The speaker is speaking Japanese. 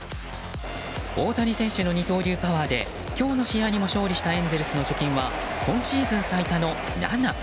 大谷選手の二刀流パワーで今日の試合にも勝利したエンゼルスの貯金は今シーズン最多の７。